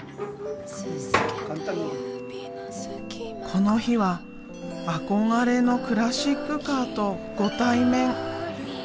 この日は憧れのクラシックカーとご対面。